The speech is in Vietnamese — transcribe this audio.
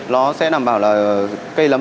nó sẽ đảm bảo là cây lấm